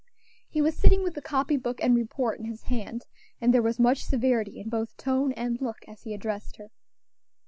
He was sitting with the copy book and report in his hand, and there was much severity in both tone and look as he addressed her.